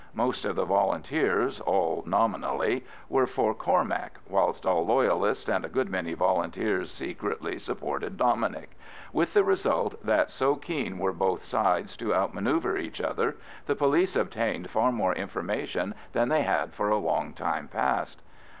Most of the Volunteers, all nominally, were for Cormac, whilst all Loyalists and a good many Volunteers secretly supported Dominic, with the result that, so keen were both sides to outmanœuvre each other, the police obtained far more information than they had for a long time past.